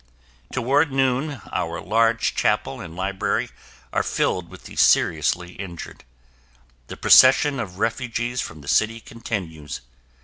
Toward noon, our large chapel and library are filled with the seriously injured. The procession of refugees from the city continues.